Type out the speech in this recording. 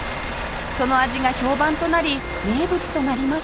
その味が評判となり名物となりました